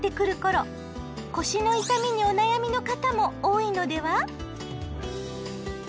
腰の痛みにお悩みの方も多いのでは？